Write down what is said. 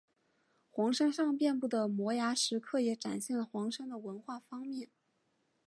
黄山上遍布的摩崖石刻也展现了黄山的文化方面。